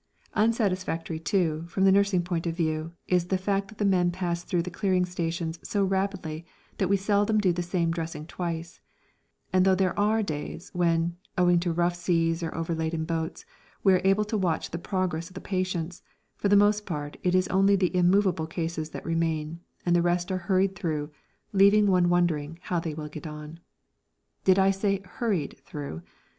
Unsatisfactory, too, from the nursing point of view is the fact that the men pass through the clearing station so rapidly that we seldom do the same dressing twice; and though there are days when, owing to rough seas or overladen boats, we are able to watch the progress of the patients, for the most part it is only the immovable cases that remain, and the rest are hurried through, leaving one wondering how they will get on. Did I say hurried through?